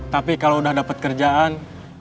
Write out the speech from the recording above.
tapi kalau udah dapat kerjaan